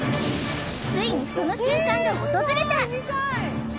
ついにその瞬間が訪れた！